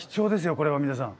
これは皆さん。